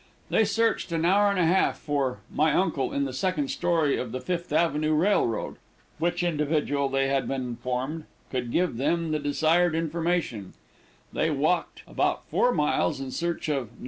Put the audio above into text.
They searched an hour and a half for "my uncle, in the second story of the Fifth Avenue Railroad," which individual, they had been informed, could give them the desired information; they walked about four miles in search of "No.